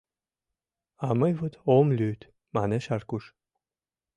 — А мый вот ом лӱд... — манеш Аркуш.